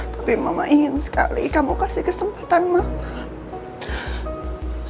tapi mama ingin sekali kamu kasih kesempatan mama